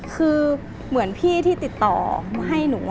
คือเหมือนพี่ที่ติดต่อให้หนู